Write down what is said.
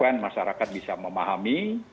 saya harapkan masyarakat bisa memahami